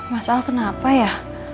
mas al kenapa ya